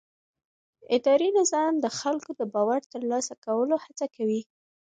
اداري نظام د خلکو د باور د ترلاسه کولو هڅه کوي.